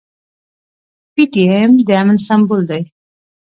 پي ټي ايم د امن سمبول دی.